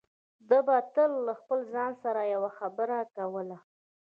ده به تل له خپل ځان سره يوه خبره کوله.